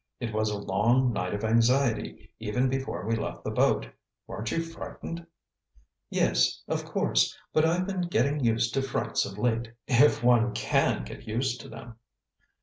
"It was a long night of anxiety, even before we left the boat. Weren't you frightened?" "Yes, of course; but I've been getting used to frights of late, if one can get used to them."